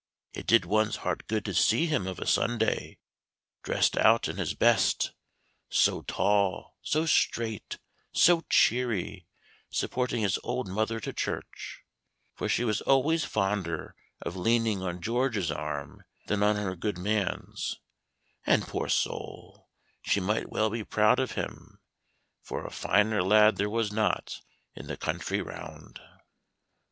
It did one's heart good to see him of a Sunday, drest out in his best, so tall, so straight, so cheery, supporting his old mother to church; for she was always fonder of leaning on George's arm than on her good man's; and, poor soul, she might well be proud of him, for a finer lad there was not in the country round."